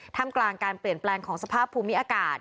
ทำกลางการเปลี่ยนแปลงของสภาพภูมิอากาศ